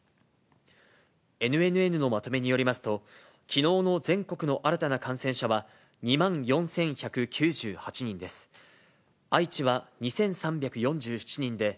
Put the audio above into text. ＮＮＮのまとめによりますと、きのうの全国の新たな感染者は、２万４１９８人です。